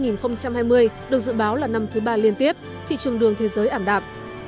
năm hai nghìn hai mươi được dự báo là năm thứ ba liên tiếp thị trường đường thế giới ảm đạp